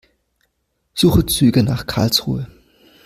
Suche Züge nach Karlsruhe.